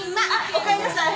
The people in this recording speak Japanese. おかえりなさい。